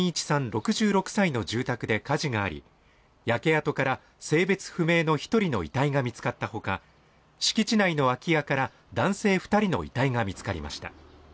６６歳の住宅で火事があり焼け跡から性別不明の一人の遺体が見つかったほか敷地内の空き家から男性二人の遺体が見つかりました